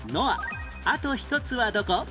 あと１つはどこ？